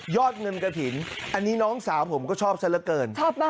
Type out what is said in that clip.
ยอดเงินกฐินอันนี้น้องสาวผมก็ชอบซะเหลือเกิน